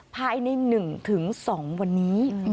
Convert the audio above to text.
ภายใน๑๒วันนี้